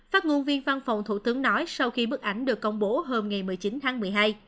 phát ngôn viên văn phòng thủ tướng nói sau khi bức ảnh được công bố hôm ngày một mươi chín tháng một mươi hai